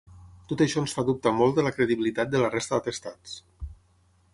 Tot això ens fa dubtar molt de la credibilitat de la resta d’atestats.